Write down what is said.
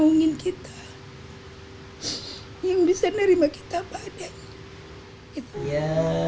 pengennya ada keluarga yang bisa nerima kita apa adanya